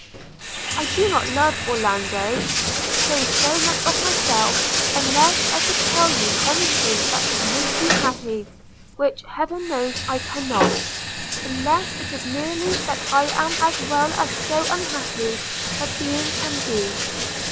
'I do not love, Orlando, to say much of myself, unless I could tell you any thing that would make you happy, which Heaven knows I cannot! unless it is merely that I am as well as so unhappy a being can be.